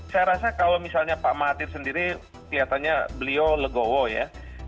saya rasa kalau misalnya pak mahathir sendiri kelihatannya beliau legowo ya